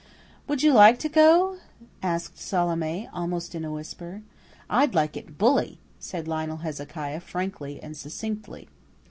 "Would you like to go?" asked Salome, almost in a whisper. "I'd like it bully," said Lionel Hezekiah frankly and succinctly.